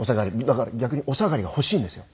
だから逆にお下がりが欲しいんですよ。